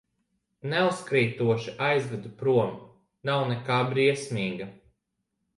Neuzkrītoši aizvedu prom, nav nekā briesmīga.